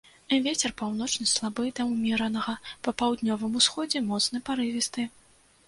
Вецер паўночны слабы да ўмеранага, па паўднёвым усходзе моцны парывісты.